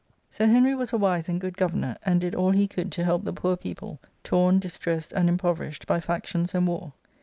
"* Sir Henry was a wise and good governor, and did all he could to help the poor people, torn, distressed, and impoverished by factions and war.